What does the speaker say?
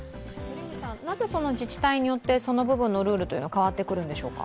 なぜ、その自治体によってその部分のルールが変わってくるんでしょうか？